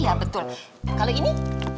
iya betul kalau ini